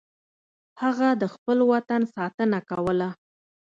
هغه د خپل وطن ساتنه کوله.